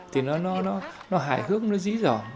thì nó nó nó hài hước nó dĩ dỏ